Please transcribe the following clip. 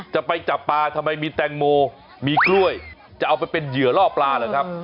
จะไปจับปลาทำไมมีแตงโมมีกล้วยจะเอาไปเป็นเหยื่อล่อปลาเหรอครับ